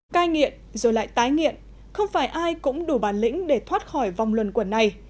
cai nghiện rồi lại tái nghiện không phải ai cũng đủ bản lĩnh để thoát khỏi vòng luẩn quẩn này